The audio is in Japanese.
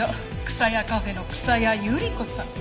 草谷カフェの草谷ゆり子さん。